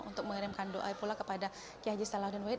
untuk mengirimkan doa pula kepada g h salahuddin woyt